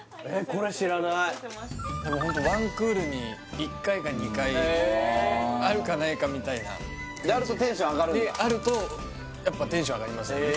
これ知らないホントワンクールに１回か２回あるかないかみたいなあるとテンション上がるんだあるとやっぱテンション上がりますね